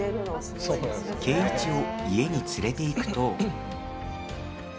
圭一を家に連れて行くと。